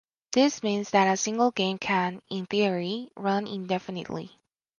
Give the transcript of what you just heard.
This means that a single game can, in theory, run indefinitely.